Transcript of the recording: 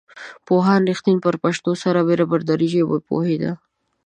پوهاند رښتین پر پښتو سربېره په دري ژبه پوهېده.